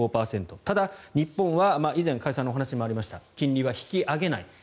ただ、日本は以前加谷さんのお話にもありました金利は引き上げない。